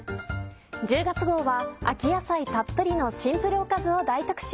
１０月号は秋野菜たっぷりのシンプルおかずを大特集。